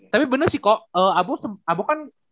tapi bener sih kok abu kan